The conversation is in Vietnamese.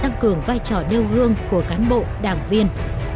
tăng cường vai trò nêu gương của cán bộ đảng viên